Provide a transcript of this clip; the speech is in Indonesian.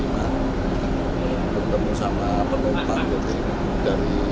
mereka mengaku yang aman selama komuti